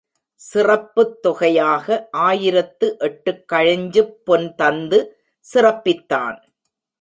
சிறப்புத் தொகையாக ஆயிரத்து எட்டுக்கழஞ்சுப் பொன் தந்து சிறப்பித்தான்.